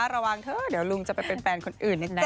ระวังเถอะเดี๋ยวลุงจะไปเป็นแฟนคนอื่นแน่